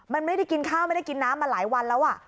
มันไม่ได้กินข้าวไม่ได้กินน้ำมาหลายวันแล้ว